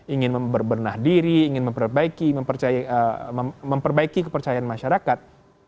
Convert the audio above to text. ingin berbenah diri ingin memperbaiki kepercayaan masyarakat